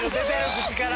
口から。